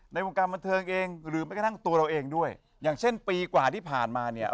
ในวงการบันเทิงเองหรือแม้กระทั่งตัวเราเองด้วยอย่างเช่นปีกว่าที่ผ่านมาเนี่ย